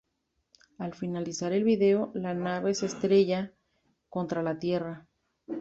Al finalizar el video, la nave se estrella contra la Tierra.